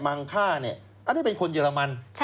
มังค่าเนี่ยอันนี้เป็นคนเยอรมัน